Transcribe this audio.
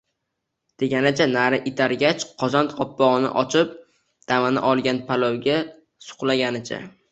Deganicha nari itargach, qozon qopqog`ini ochib damini olgan palovga suqlanganicha